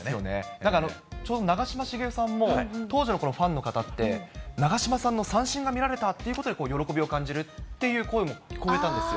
なんか、ちょうど長嶋茂雄さんも当時のファンの方って、長嶋さんの三振が見られたということで喜びを感じるという声も聞こえたんですよ。